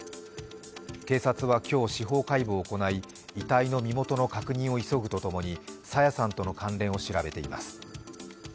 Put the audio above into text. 警察は今日、司法解剖を行い、遺体の身元の確認を急ぐとともに、朝芽さんとの関連を調べています。